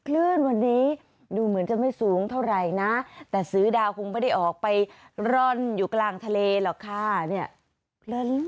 คลื่นวันนี้ดูเหมือนจะไม่สูงเท่าไหร่นะแต่ซื้อดาวคงไม่ได้ออกไปร่อนอยู่กลางทะเลหรอกค่ะเนี่ย